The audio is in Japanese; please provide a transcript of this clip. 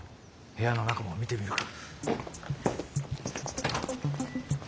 部屋の中も見てみるか。